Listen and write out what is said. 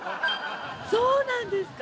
そうなんですか？